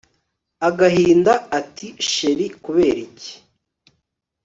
agahinda ati chr kuberiki